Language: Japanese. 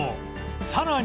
さらに